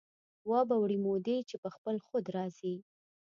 وابه وړي مودې چې په خپل خود را ځي